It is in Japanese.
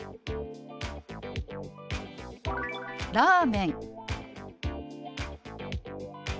「ラーメン」。